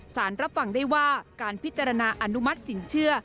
รับฟังได้ว่าการพิจารณาอนุมัติสินเชื่อ